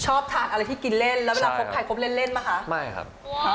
ชอบทานอะไรที่กินเล่นแล้วเวลาพบเล่นมาคะใช่ครับ